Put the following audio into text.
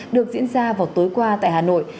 được diễn ra vào tối qua tại hà nội